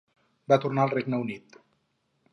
Va tornar al Regne Unit.